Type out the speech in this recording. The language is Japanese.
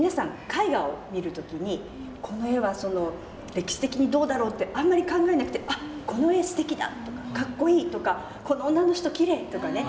絵画を見る時にこの絵は歴史的にどうだろう？ってあんまり考えなくて「あっこの絵すてきだ」とか「かっこいい」とか「この女の人きれい」とかね